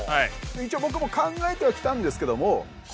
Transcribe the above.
一応僕も考えてはきたんですけども。